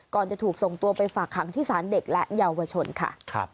จะถูกส่งตัวไปฝากขังที่ศาลเด็กและเยาวชนค่ะ